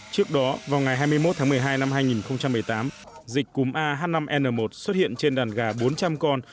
trước đó vào ngày hai mươi một tháng một mươi hai năm hai nghìn một mươi tám dịch cúm ah năm n một xuất hiện trên đàn gà bốn trăm linh con